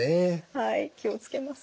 はい気を付けます。